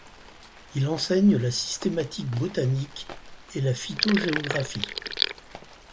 Il enseigne la systématique botanique et la phytogéographie.